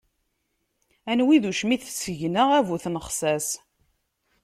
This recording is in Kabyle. Anwa i d ucmit seg-nneɣ, a bu tnexsas.